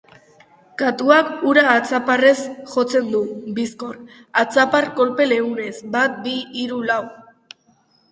Katuak hura atzaparrez jotzen du, bizkor, atzapar-kolpe leunez, bat-bi-hiru-lau.